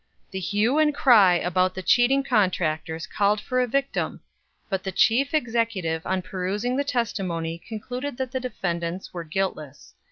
The hue and cry about the cheating contractors called for a victim. But the Chief Executive on perusing the testimony concluded that the defendants were guiltless.